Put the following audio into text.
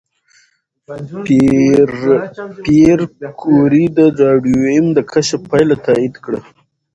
پېیر کوري د راډیوم د کشف پایله تایید کړه.